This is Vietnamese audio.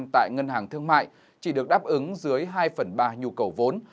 tại ngân hàng thương mại chỉ được đáp ứng dưới hai phần ba nhu cầu vốn